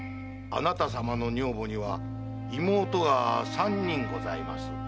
あなたさまの女房には妹が三人ございます。